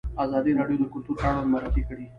ازادي راډیو د کلتور اړوند مرکې کړي.